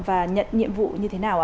và nhận nhiệm vụ như thế nào ạ